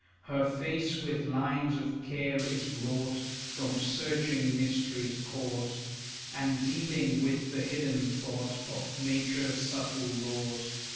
Her face with lines of care is wrought, From searching mystery's cause, And dealing with the hidden thought Of nature's subtle laws.